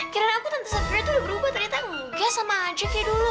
kirain aku tante safira tuh udah berubah ternyata enggak sama aja kayak dulu